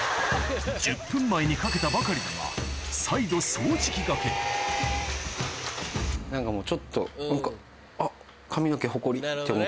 １０分前にかけたばかりだが再度掃除機がけ何かもうちょっと何かあっ。